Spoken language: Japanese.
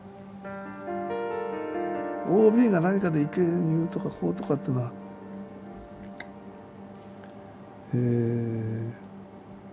ＯＢが何かで意見言うとかこうとかっていうのはえ